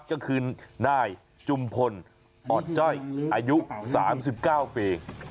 ก็คือนายจุมพลอ่อนจ้อยอายุ๓๙ปี